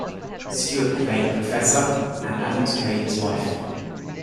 Stewart played a professor, and Adams played his wife.